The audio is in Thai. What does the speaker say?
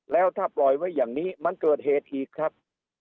แล้วถ้าปล่อยไว้อย่างนี้มันเกิดเหตุอีกครับ